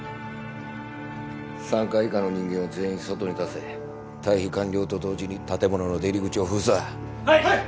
３階以下の人間を全員外に出せ退避完了と同時に建物の出入り口を封鎖・はい！